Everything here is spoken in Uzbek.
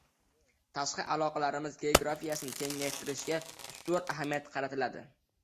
tashqi aloqalarimiz geografiyasini kengaytirishga ustuvor ahamiyat qaratiladi.